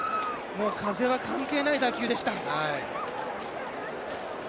風は関係ない打球でした。